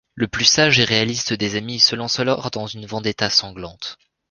Le plus sage et réaliste des amis se lance alors dans une vendetta sanglante.